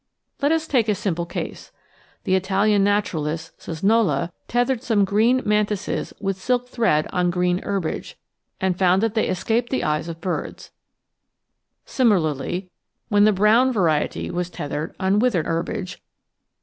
Let us take a simple case. The Italian naturalist Cesnola tethered some green Man tises with silk thread on green herbage, and found that they escaped the eyes of bu*ds. Similarly, when the brown variety was tethered on withered herbage.